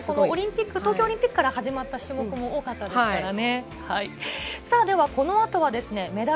東京オリンピックから始まった種目も多かったですからね。